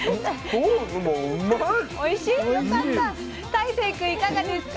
大聖君いかがですか？